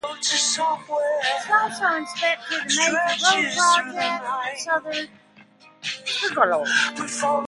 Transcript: She also inspected a major road project in Southern Tagalog.